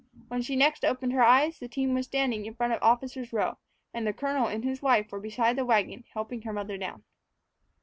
When she next opened her eyes, the team was standing in front of Officers' Row, and the colonel and his wife were beside the wagon helping her mother down.